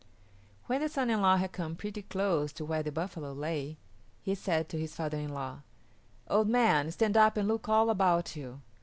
When the son in law had come pretty close to where the buffalo lay he said to his father in law, "Old man, stand up and look all about you.